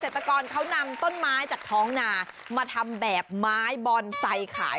ตกรเขานำต้นไม้จากท้องนามาทำแบบไม้บอนไซค์ขาย